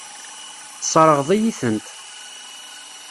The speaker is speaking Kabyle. Tesseṛɣeḍ-iyi-tent.